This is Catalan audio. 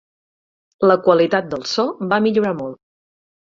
La qualitat del so va millorar molt.